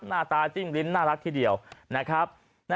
หน้าตาจิ้มลิ้นน่ารักทีเดียวนะครับ